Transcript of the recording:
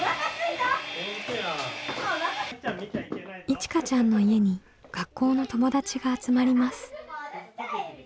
いちかちゃんの家に学校の友達が集まります。